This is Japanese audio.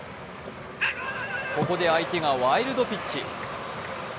ここで相手がワイルドピッチ。